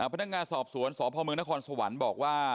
พนักงานสอบสวนสพมนครสวรรค์บอกว่า